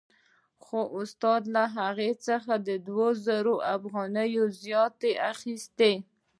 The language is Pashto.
خو استاد له هغه څخه دوه سوه افغانۍ زیاتې اخیستې